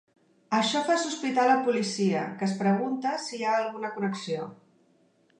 Això fa sospitar a la policia, que es pregunta si hi ha alguna connexió.